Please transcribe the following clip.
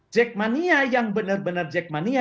jack mania yang benar benar jack mania